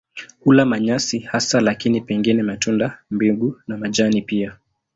Hula manyasi hasa lakini pengine matunda, mbegu na majani pia.